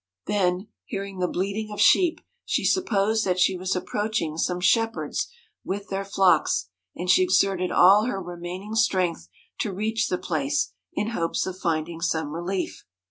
Then hearing the bleating of sheep, she supposed that she was approaching some shepherds with their flocks, and she exerted all her remaining strength to reach the place, in hopes of finding some relief.